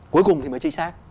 cuối cùng thì mới chính xác